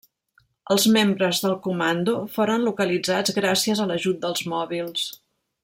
Els membres del comando foren localitzats gràcies a l'ajut dels mòbils.